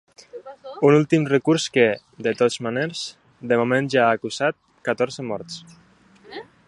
Un últim recurs que, de totes maneres, de moment ja ha causat catorze morts.